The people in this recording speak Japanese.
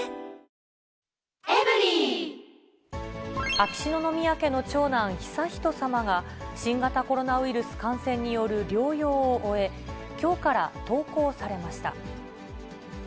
秋篠宮家の長男、悠仁さまが、新型コロナウイルス感染による療養を終え、きょうから登校されました。